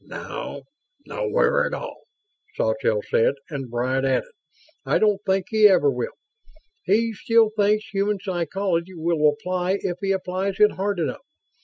"No. Nowhere at all," Sawtelle said, and Bryant added: "I don't think he ever will. He still thinks human psychology will apply if he applies it hard enough.